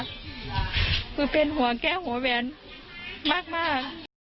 คือเป็นหัวแก้วหัวแหวนมาก